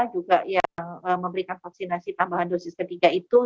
juga yang memberikan vaksinasi tambahan dosis ketiga itu